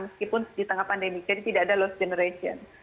meskipun di tengah pandemi jadi tidak ada lost generation